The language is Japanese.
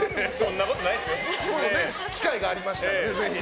機会がありましたら、ぜひ。